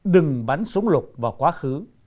đừng bắn súng lục vào quá khứ